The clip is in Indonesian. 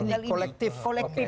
ini tinggal ini kolektif